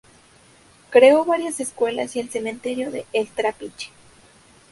Creó varias escuelas y el cementerio de El Trapiche.